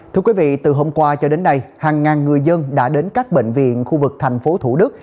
thưa quý vị từ hôm qua cho đến nay hàng ngàn người dân đã đến các bệnh viện khu vực thành phố thủ đức